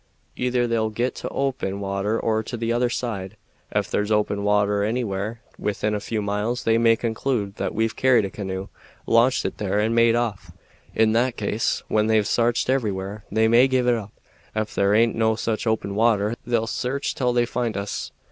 Either they'll git to open water or to the other side. Ef there's open water anywhere within a few miles they may conclude that we've carried a canoe, launched it there, and made off. In that case, when they've sarched everywhere, they may give it up. Ef there aint no such open water, they'll sarch till they find us.